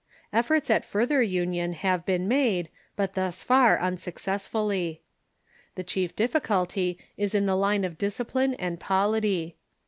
Ef forts at further union have been made, but thus far unsuccess fully. The chief difficulty is in the line of discipline and pol ity.